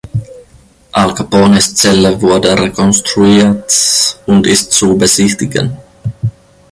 Al Capones Zelle wurde rekonstruiert und ist zu besichtigen.